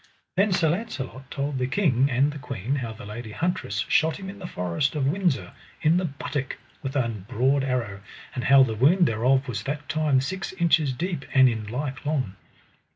Then Sir Launcelot told the king and the queen how the lady huntress shot him in the forest of Windsor, in the buttock, with an broad arrow, and how the wound thereof was that time six inches deep, and in like long.